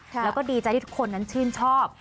แล้วก็ดีใจที่ทุกคนนั้นชื่นชอบ